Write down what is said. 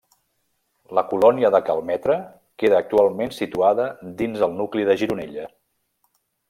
La colònia de Cal Metre queda actualment situada dins el nucli de Gironella.